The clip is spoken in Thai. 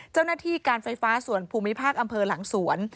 เจ้าหน้าที่การไฟฟ้าส่วนภูมิภาคอำเภอหลังสวน